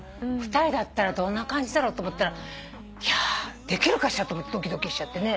２人だったらどんな感じだろうと思ったらいやできるかしらと思ってドキドキしちゃってね。